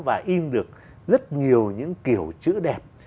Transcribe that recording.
và in được rất nhiều những kiểu chữ đẹp